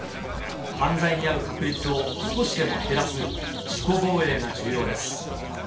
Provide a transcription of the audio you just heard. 犯罪に遭う確率を少しでも減らす自己防衛が重要です。